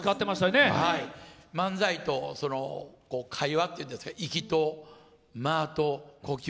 漫才と会話っていうんですか息と間と呼吸。